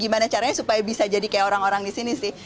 gimana caranya supaya bisa jadi kayak orang orang di sini sih